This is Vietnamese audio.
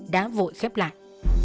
đã vội khép lại